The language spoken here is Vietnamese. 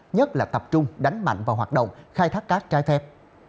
nhất là tập trung đánh mạnh vào hoạt động khai thác cát trái phép